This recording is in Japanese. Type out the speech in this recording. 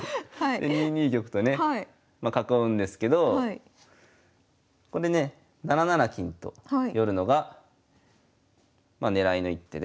２二玉とね囲うんですけどここでね７七金と寄るのが狙いの一手で。